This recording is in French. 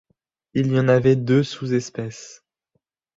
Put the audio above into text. Il y en avait deux sous-espèces.